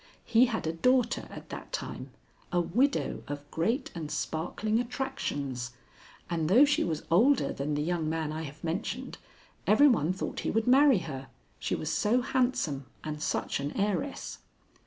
He had a daughter at that time, a widow of great and sparkling attractions, and though she was older than the young man I have mentioned, every one thought he would marry her, she was so handsome and such an heiress.